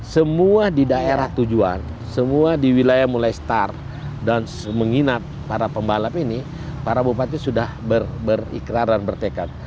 semua di daerah tujuan semua di wilayah mulai start dan menginap para pembalap ini para bupati sudah berikrar dan bertekad